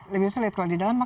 lebih sulit kalau di dalam